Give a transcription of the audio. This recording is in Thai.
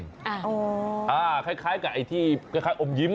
คล้ายกับไอ้ที่คล้ายอมยิ้ม